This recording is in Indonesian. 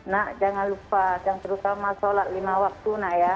nak jangan lupa jangan terus sama sholat lima waktu nak ya